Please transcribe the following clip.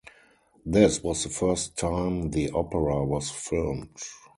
This was the first time the opera was filmed.